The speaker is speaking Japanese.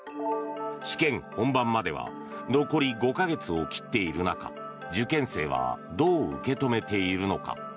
試験本番までは残り５か月を切っている中受験生はどう受け止めているのか。